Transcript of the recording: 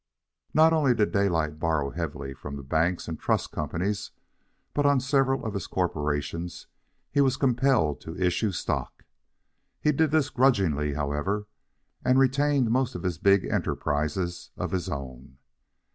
Not only did Daylight borrow heavily from the banks and trust companies, but on several of his corporations he was compelled to issue stock. He did this grudgingly however, and retained most of his big enterprises of his own.